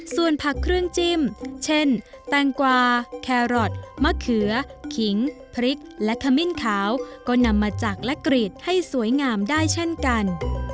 ส่วนผักเครื่องจิ้มเช่นแตงกวาแครอทมะเขือขิงพริกและขมิ้นขาวก็นำมาจักรและกรีดให้สวยงามได้เช่นกัน